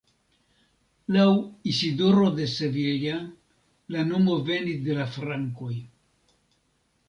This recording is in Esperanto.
Laŭ Isidoro de Sevilla la nomo venis de la frankoj.